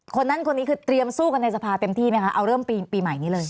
คนนั้นคนนี้คือเตรียมสู้กันในสภาเต็มที่ไหมคะเอาเริ่มปีใหม่นี้เลย